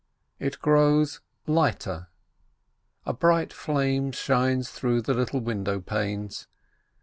It grows lighter — a bright flame shines through the little window panes.